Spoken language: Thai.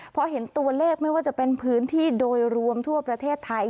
พอเห็นตัวเลขไม่ว่าจะเป็นพื้นที่โดยรวมทั่วประเทศไทย